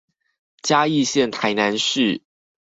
嘉義縣臺南市